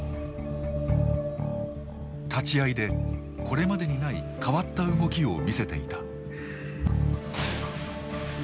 立ち合いでこれまでにない変わった動きを見せていた。